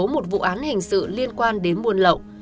một vụ án hành sự liên quan đến muôn lậu